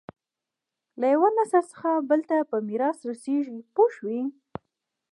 له یوه نسل څخه بل ته په میراث رسېږي پوه شوې!.